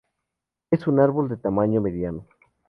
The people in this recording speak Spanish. Es un árbol de tamaño mediano.